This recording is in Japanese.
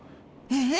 ええ！？